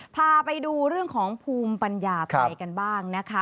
พาไปดูเรื่องของภูมิปัญญาไทยกันบ้างนะคะ